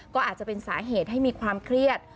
ก็อาจจะเป็นสาเหตุให้มีความเครียด